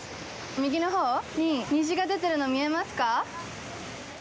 右のほうに虹が出てるの見えますか？